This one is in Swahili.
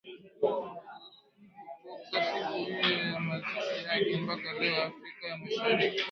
na kutoka siku hiyo ya mazishi yake mpaka leo afrika ya kaskazini